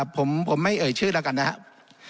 ผมไม่เอ่ยชื่อแล้วกันนะครับ